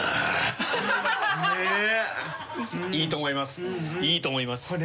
▲魯魯蓮いいと思います。